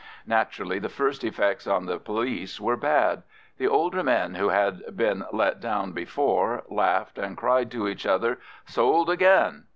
Naturally the first effects on the police were bad. The older men who had been let down before laughed and cried to each other, "Sold again!"